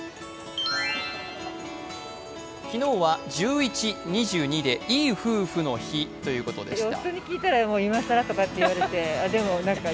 昨日は１１２２でいい夫婦の日ということでした。